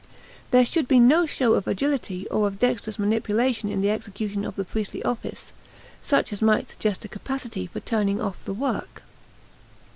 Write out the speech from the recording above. There should be no show of agility or of dexterous manipulation in the execution of the priestly office, such as might suggest a capacity for turning off the work.